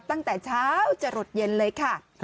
ตั้งแต่เช้าจะหลดเย็นเลยค่ะ